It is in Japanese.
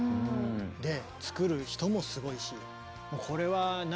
で作る人もすごいし。